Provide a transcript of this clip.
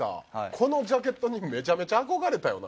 このジャケットにめちゃめちゃ憧れたよな。